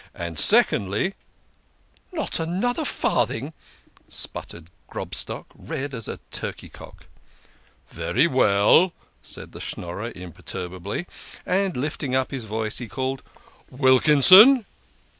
And secondly " THE KING OF SCHNORRERS. 29 " Not another farthing !" spluttered Grobstock, red as a turkey cock. "Very well," said the Schnorrer imperturbably, and, lifting up his voice, he called " Wilkinson